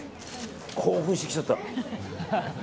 興奮してきちゃった。